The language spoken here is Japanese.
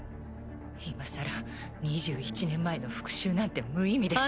今更２１年前の復讐なんて無意味ですよ。